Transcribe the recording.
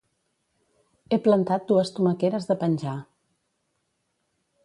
He plantat dues tomaqueres de penjar